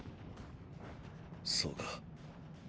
そうか。